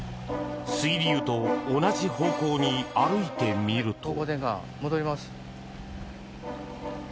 水流と同じ方向に歩いてみると。